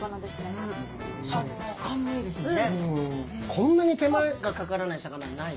こんなに手間がかからない魚いない。